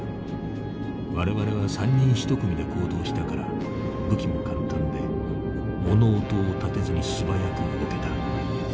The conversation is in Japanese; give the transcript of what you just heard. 我々は３人１組で行動したから武器も簡単で物音を立てずに素早く動けた。